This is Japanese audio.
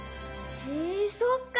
へえそっか！